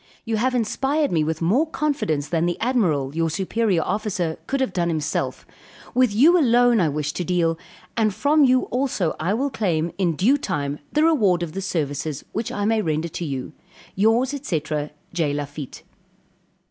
You have inspired me with more confidence than the admiral, your superior officer, could have done himself; with you alone, I wish to deal, and from you also I will claim, in due time the reward of the services, which I may render to you. Yours, &c. J. LAFITTE.